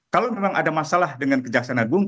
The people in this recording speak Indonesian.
kalau memang ada masalah dengan kejaksaan agung